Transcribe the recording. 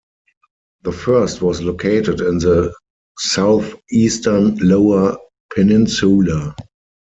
The first was located in the southeastern Lower Peninsula.